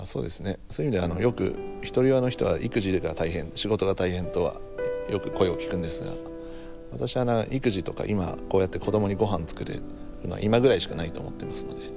そういう意味ではよくひとり親の人は育児が大変仕事が大変とはよく声を聞くんですが私は育児とか今こうやって子どもに御飯作るのは今ぐらいしかないと思ってますので。